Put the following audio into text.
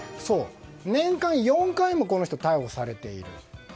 年間４回もこの人は逮捕されている。